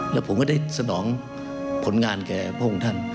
แล้วผมก็ได้สนองผลงานแก่พระองค์ท่าน